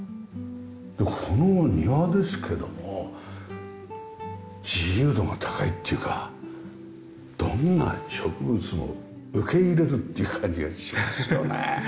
この庭ですけども自由度が高いっていうかどんな植物も受け入れるっていう感じがしますよね。